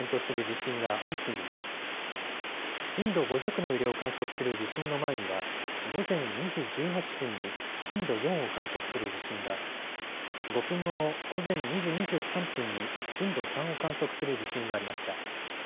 震度５弱の揺れを観測する地震の前には午前２時１８分に震度４を観測する地震が、５分後の午前２時２３分に震度３を観測する地震がありました。